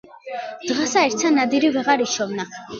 დღესა ერთსა ნადირი ვეღარ იშოვნა,